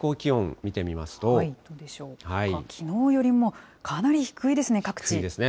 きのうよりもかなり低いです低いですね。